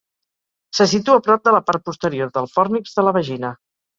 Se situa prop de la part posterior del fòrnix de la vagina.